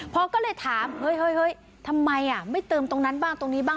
พอก็เลยถามเฮ้ยทำไมไม่เติมตรงนั้นบ้างตรงนี้บ้าง